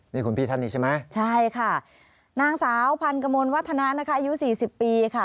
นี่คุณพี่ธันต์นี่ใช่ไหมค่ะนางสาวพันกมลวัฒนานะคะอายุ๔๐ปีค่ะ